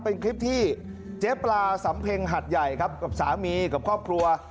เป็นคลิปที่เจ๊ปลาสำเพ็งหัดใหญ่ครับกับสามีกับครอบครัว